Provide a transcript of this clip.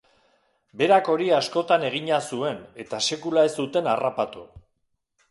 Berak hori askotan egina zuen eta sekula ez zuten harrapatu.